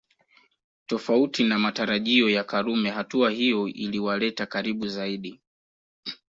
Tofauti na matarajio ya Karume hatua hiyo iliwaleta karibu zaidi